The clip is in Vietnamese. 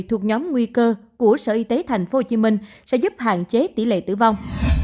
thuộc nhóm nguy cơ của sở y tế thành phố hồ chí minh sẽ giúp hạn chế tỷ lệ tử vong